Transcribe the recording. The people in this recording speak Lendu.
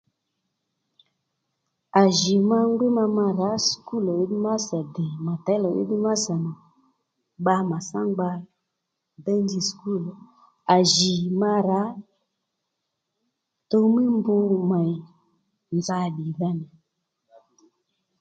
À jì ma ngbí ma mà rǎ sùkúl ò head master dè mà těy lò head master nà bba màtsá ngba déy nji sùkúl ó à jì ma rǎ tuw mí mb mèy nza bbìdha nà